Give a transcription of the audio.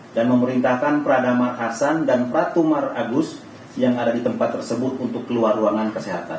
dan memerintahkan pradama hasan dan pratumar agus yang ada di tempat tersebut untuk keluar ruangan kesehatan